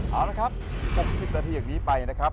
เอาละครับ๖๐นาทีอย่างนี้ไปนะครับ